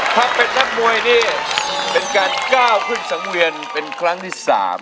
ถ้าเป็นนักมวยนี่เป็นการก้าวขึ้นสังเวียนเป็นครั้งที่๓